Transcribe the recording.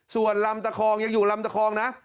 ส่วนลำตะคองยังอยู่ลำตะคองนะ